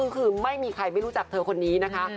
คือไม่มีใครไม่รู้จักเธอคนนี้นะคะ